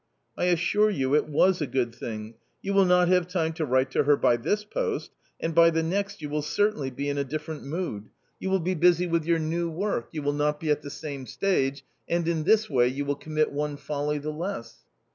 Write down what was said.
" I assure you it was a good thing ; you will not have time to write to her by this post, and by the next you will certainly be in a different mood, you will be busy with your A COMMON STORY 53 new work ; you will not be at the same stage and in this way you will commit one folly the less."